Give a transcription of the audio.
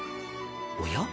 おや？